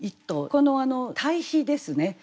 この対比ですね。